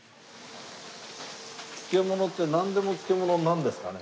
漬物ってなんでも漬物になるんですかね？